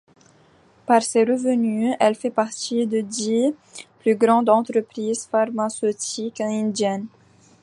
Par ses revenus, elle fait partie des dix plus grandes entreprises pharmaceutiques indiennes.